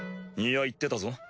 いや言ってたぞ。